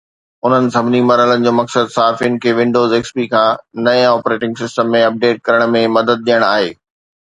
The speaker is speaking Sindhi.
انهن سڀني مرحلن جو مقصد صارفين کي ونڊوز XP کان نئين آپريٽنگ سسٽم ۾ اپڊيٽ ڪرڻ ۾ مدد ڏيڻ آهي